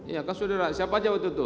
ya kan saudara siapa aja waktu itu